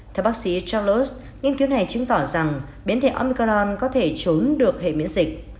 theo bác sĩ charlos nghiên cứu này chứng tỏ rằng biến thể ongkarn có thể trốn được hệ miễn dịch